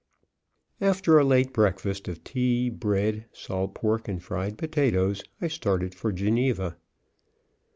After a late breakfast of tea, bread, salt pork and fried potatoes, I started for Geneva.